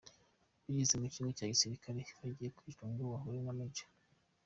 Bageze mu Kigo cya Gisirikare bagiye kwicwa ngo bahuye na Maj.